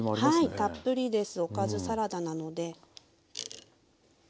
はいたっぷりですおかずサラダなので。